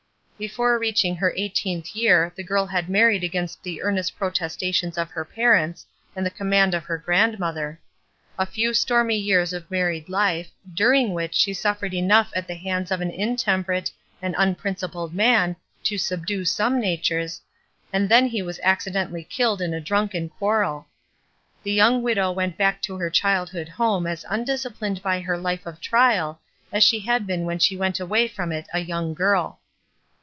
Before reaching her eighteenth year the girl had married against the earnest protesta tions of her parents and the command of her grandmother. A few stormy years of married life, during which she suffered enough at the hands of an intemperate and unprincipled man to subdue some natures, and then he was accidentally killed in a drunken quarrel. The young widow went back to her childhood home as undisciplined by her life of trial as she had been when she went away from it a young girl.